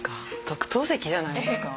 特等席じゃないですか。